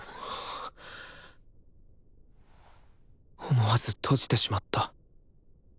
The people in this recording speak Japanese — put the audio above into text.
思わず閉じてしまった。